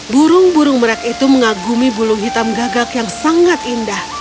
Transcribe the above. burung burung merak itu mengagumi bulung hitam gagak yang sangat indah